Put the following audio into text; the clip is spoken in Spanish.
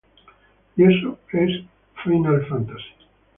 Y eso… es Final Fantasy".